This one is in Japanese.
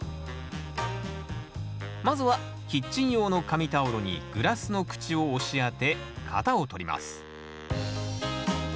まずはキッチン用の紙タオルにグラスの口を押し当て型をとります